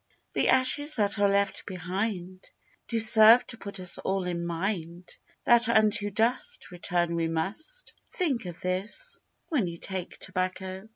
The ashes that are left behind, Do serve to put us all in mind That unto dust Return we must; Think of this when you take tobacco!